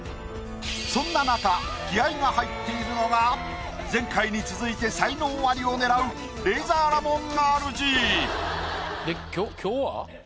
そんななか気合いが入っているのが前回に続いて才能アリを狙うレイザーラモンＲＧ。